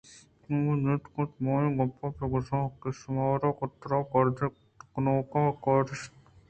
کاف ءَ جست کُت من ءَ اے گپ ءَ بہ گوٛش کہ شمارا گوں ترّ ءُگرد کنوکاں کار نیست